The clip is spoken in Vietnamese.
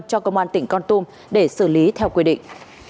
cho công an tỉnh con tum để xử lý theo quy định